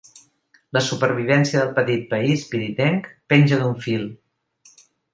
La supervivència del petit país pirinenc penja d’un fil.